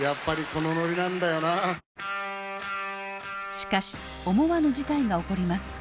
しかし思わぬ事態が起こります。